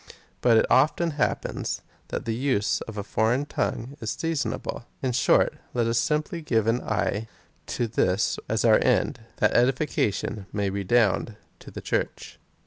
But it often happens, that the use of a foreign tongue is season able. In short, let us simply have an eye to this as our end — that edification may redound to the Church.